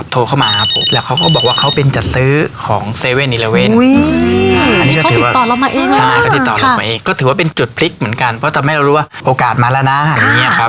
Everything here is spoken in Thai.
ใช่เขาติดต่อเรามาเองก็ถือว่าเป็นจุดพลิกเหมือนกันเพราะทำให้เรารู้ว่าโอกาสมาแล้วนะ